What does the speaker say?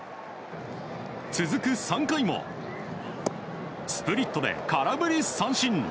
続く、３回もスプリットで空振り三振。